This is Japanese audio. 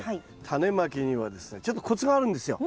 タネまきにはですねちょっとコツがあるんですよ。